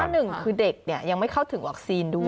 แทบ๑คือเด็กเนี่ยยังไม่เข้าถึงควัคเซีนด้วย